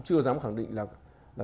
chưa dám khẳng định là